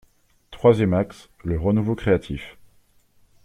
Troisième axe : le renouveau créatif.